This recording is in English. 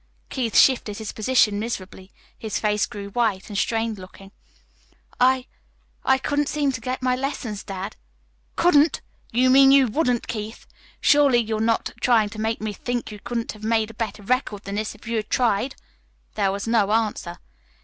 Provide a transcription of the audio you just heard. Keith shifted his position miserably. His face grew white and strained looking. "I I couldn't seem to get my lessons, dad." "Couldn't! You mean you wouldn't, Keith. Surely, you're not trying to make me think you couldn't have made a better record than this, if you'd tried." There was no answer.